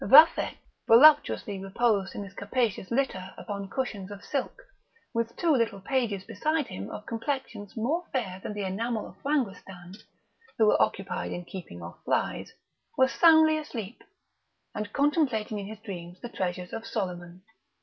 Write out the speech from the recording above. Vathek (voluptuously reposed in his capacious litter upon cushions of silk, with two little pages beside him of complexions more fair than the enamel of Franguestan, who were occupied in keeping off flies) was soundly asleep, and contemplating in his dreams the treasures of Soliman.